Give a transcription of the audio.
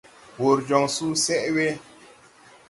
Wùr jɔŋ susɛʼ we.